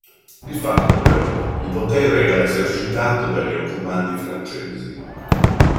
Di fatto, però, il potere era esercitato dagli occupanti francesi.